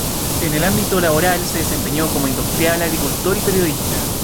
En el ámbito laboral, se desempeñó como industrial, agricultor y periodista.